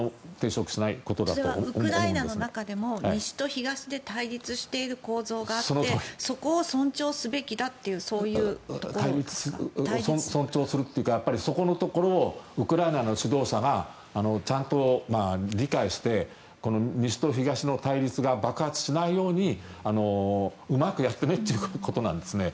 それはウクライナの中でも西と東で対立している構造があって尊重するというかそこのところをウクライナの指導者がちゃんと理解して西と東の対立が爆発しないようにうまくやってねということなんですね。